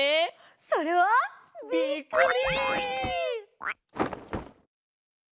それは。びっくり！